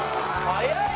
早い！